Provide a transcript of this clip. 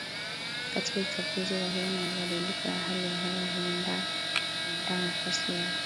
kati ya uchafuzi wa hewa na mabadiliko ya hali ya hewa huandaa nafasi ya